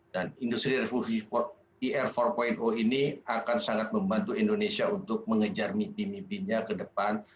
dan industri revolusi empat ini akan sangat membantu indonesia untuk mengejar mimpi mimpinya ke depan